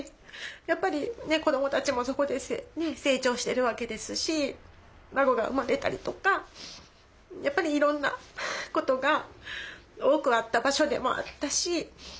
やっぱり子どもたちもそこで成長してるわけですし孫が生まれたりとかやっぱりいろんなことが多くあった場所でもあったし。